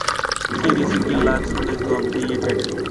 She received a Lux Face of the Year title.